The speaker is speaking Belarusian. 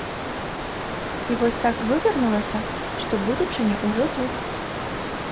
І вось так вывернулася, што будучыня ўжо тут.